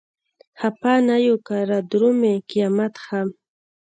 خپه نه يو که رادرومي قيامت هم